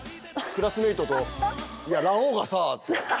クラスメートと「いやラオウがさ」って。